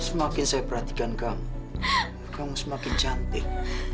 semakin saya perhatikan kamu kamu semakin cantik